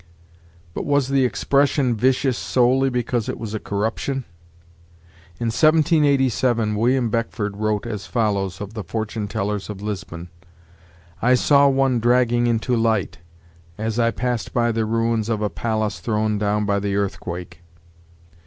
But was the expression 'vicious' solely because it was a corruption? In 1787 William Beckford wrote as follows of the fortune tellers of Lisbon: 'I saw one dragging into light, as I passed by the ruins of a palace thrown down by the earthquake.